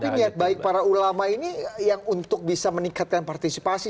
tapi niat baik para ulama ini yang untuk bisa meningkatkan partisipasi